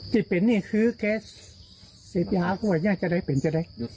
จะเป็นนี่คือแกเสพย้าก็ว่าอย่างไรจะได้เป็นจะได้